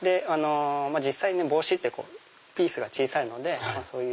実際帽子ってピースが小さいので。